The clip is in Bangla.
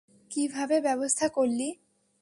কীভাবে ব্যবস্থা করলি?